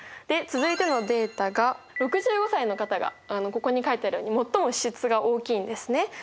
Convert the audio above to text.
で続いてのデータが６５歳の方がここに書いてあるように最も支出が大きいんですね。